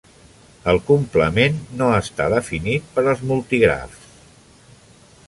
El complement no està definit per als multigrafs.